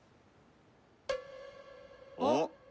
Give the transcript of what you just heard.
あっ。